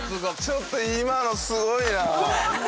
ちょっと今のすごいな。